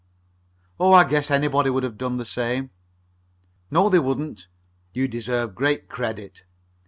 "Oh, I guess anybody would have done the same." "No, they wouldn't. You deserve great credit.